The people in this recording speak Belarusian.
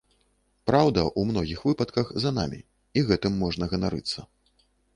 Праўда ў многіх выпадках за намі, і гэтым можна ганарыцца.